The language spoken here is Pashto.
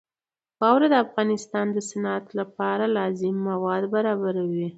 واوره د افغانستان د صنعت لپاره لازم مواد برابروي.